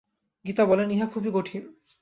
গীতা বলেন, ইহা খুবই কঠিন।